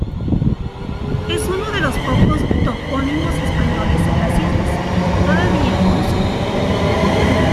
Es uno de los pocos topónimos españoles en las islas, todavía en uso.